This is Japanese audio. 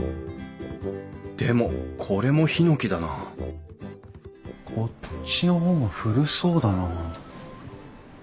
でもこれもヒノキだなこっちの方が古そうだなあ。